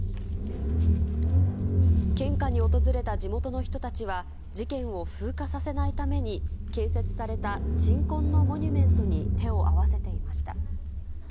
献花に訪れた地元の人たちは、事件を風化させないために建設された鎮魂のモニュメントに手を合わせていました。